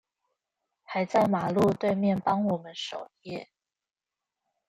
還在馬路對面幫我們守夜